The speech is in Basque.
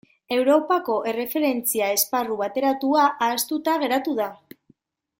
Europako Erreferentzia Esparru Bateratua ahaztuta geratu da.